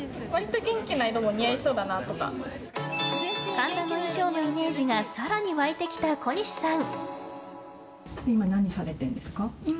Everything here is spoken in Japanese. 神田の衣装のイメージが更に湧いてきた小西さん。